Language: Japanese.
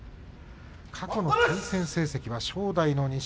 過去の対戦成績は正代の２勝。